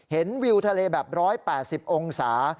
วิวทะเลแบบ๑๘๐องศา